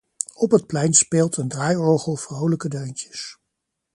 Op het plein speelt een draaiorgel vrolijke deuntjes.